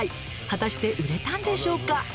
果たして売れたんでしょうか？